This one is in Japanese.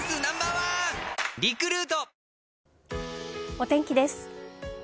お天気です。